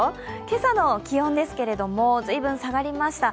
今朝の気温ですけれども随分下がりました。